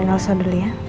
saya bisa bantu bu elsa